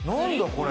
これ。